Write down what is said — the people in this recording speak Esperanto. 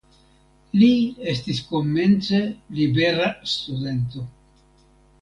Li estis komence libera studento.